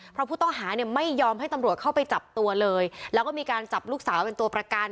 เพราะผู้ต้องหาเนี่ยไม่ยอมให้ตำรวจเข้าไปจับตัวเลยแล้วก็มีการจับลูกสาวเป็นตัวประกัน